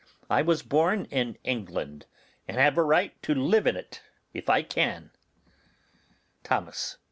I was born in England, and have a right to live in it if I can. Thomas.